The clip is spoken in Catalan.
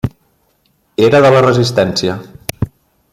Era de la Resistència.